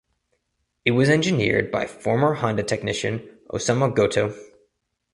It was engineered by former Honda technician Osamu Goto.